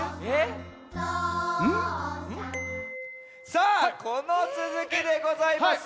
さあこのつづきでございます！